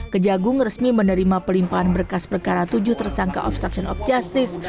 kejaksaan agung resmi menerima pelimpaan berkas perkara tujuh tersangka obstruction of justice